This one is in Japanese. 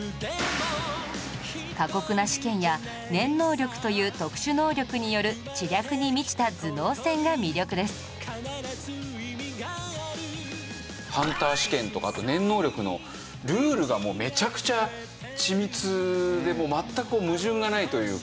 過酷な試験や念能力という特殊能力によるハンター試験とかあと念能力のルールがもうめちゃくちゃ緻密で全くこう矛盾がないというか。